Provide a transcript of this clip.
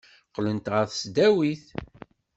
Qqlent ɣer tesdawit.